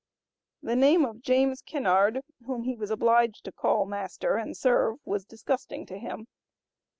The name of James Kinnard, whom he was obliged to call master and serve, was disgusting to him.